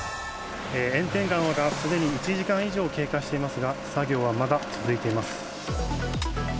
炎天下の中すでに１時間以上経過していますが作業はまだ続いています。